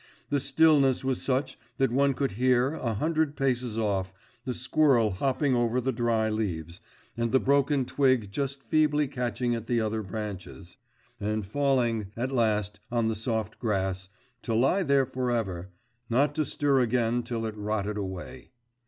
The stillness was such that one could hear, a hundred paces off, the squirrel hopping over the dry leaves, and the broken twig just feebly catching at the other branches, and falling, at last, on the soft grass to lie there for ever, not to stir again till it rotted away.